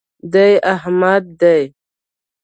دی احمد دئ.